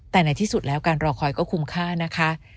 แต่ในที่สุดแล้วการรอคอยก็คุ้มค่านะคะ